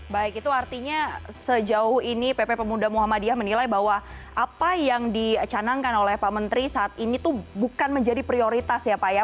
baik itu artinya sejauh ini pp pemuda muhammadiyah menilai bahwa apa yang dicanangkan oleh pak menteri saat ini tuh bukan menjadi prioritas ya pak ya